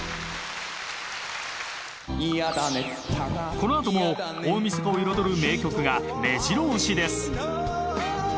このあとも大みそかを彩る名曲が目白押しです